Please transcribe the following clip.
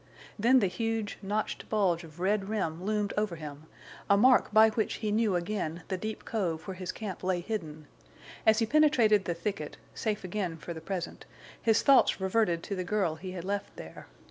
Then the huge, notched bulge of red rim loomed over him, a mark by which he knew again the deep cove where his camp lay hidden. As he penetrated the thicket, safe again for the present, his thoughts reverted to the girl he had left there.